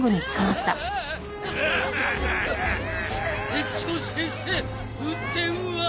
園長先生運転は？